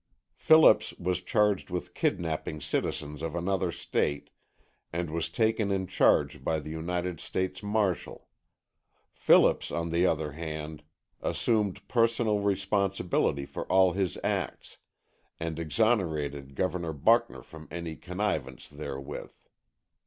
Phillips was charged with kidnapping citizens of another State and was taken in charge by the United States marshal. Phillips, on the stand, assumed personal responsibility for all his acts, and exonerated Governor Buckner from any connivance therewith.